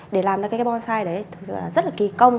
để làm ra cây bonsai đấy thật sự là rất là kì công